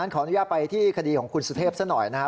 ขออนุญาตไปที่คดีของคุณสุเทพซะหน่อยนะครับ